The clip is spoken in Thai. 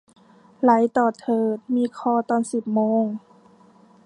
ไหลต่อเถิด มีคอลตอนสิบโมง